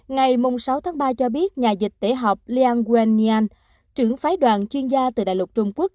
ngày sáu tháng ba cho biết nhà dịch tể họp liang wenyan trưởng phái đoàn chuyên gia từ đại lục trung quốc